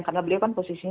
karena beliau kan posisinya